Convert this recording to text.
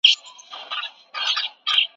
هغې د خپلو ماشومانو ساتنه ونه شوه کولی.